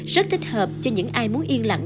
rất thích hợp cho những ai muốn yên lặng